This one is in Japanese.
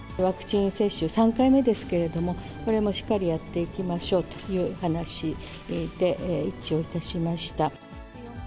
ワクチン接種３回目ですけれども、これもしっかりやっていきましょうという話で一致をいたしました。